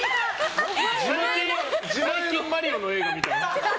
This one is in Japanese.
最近「マリオ」の映画見たの？